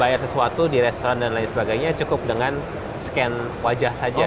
bayar sesuatu di restoran dan lain sebagainya cukup dengan scan wajah saja